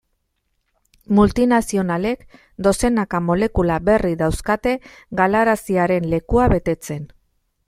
Multinazionalek dozenaka molekula berri dauzkate galaraziaren lekua betetzen.